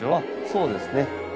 そうですね。